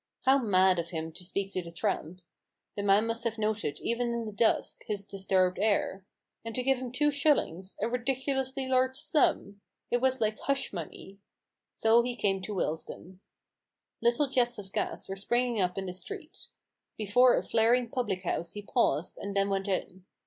How mad of him to speak to the tramp. The man must have noted, even in the dusk, his disturbed air. And to give him two shillings— a ridiculously large sum ! It was like hush money. So he came to Willesden, Little jets of gas were springing up in the streets. Before a flaring public house he paused, and then went in.